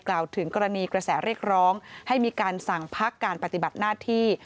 กล่าวถึงกรณีกระแสเรียกร้องให้มีการสั่งพักการปฏิบัติหน้าที่